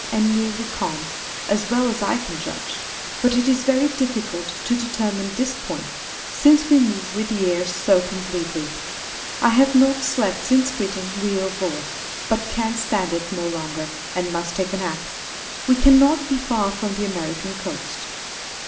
and nearly calm, as well as I can judge—but it is very difficult to determine this point, since we move with the air so completely. I have not slept since quitting Wheal Vor, but can stand it no longer, and must take a nap. We cannot be far from the American coast.